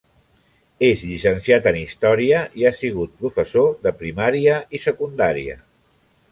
És llicenciat en història i ha sigut professor de primària i secundària.